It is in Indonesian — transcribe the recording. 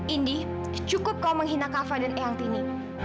indy cukup kau menghina kava dan eyang tini